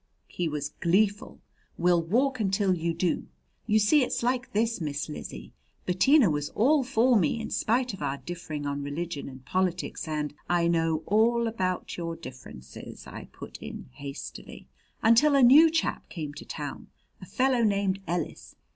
He was gleeful. "We'll walk until you do! You see it's like this, Miss Lizzie. Bettina was all for me, in spite of our differing on religion and politics and " "I know all about your differences," I put in hastily. "Until a new chap came to town a fellow named Ellis.